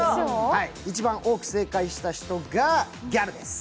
一番多く正解した人がギャルです。